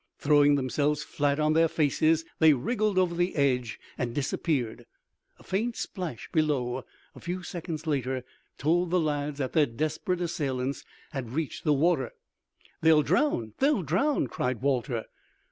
Throwing themselves flat on their faces, they wriggled over the edge and disappeared. A faint splash below, a few seconds later, told the lads that their desperate assailants had reached the water. "They'll drown, they'll drown!" cried Walter.